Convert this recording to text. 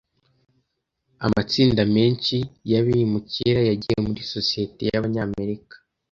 Amatsinda menshi y’abimukira yagiye muri sosiyete y'Abanyamerika.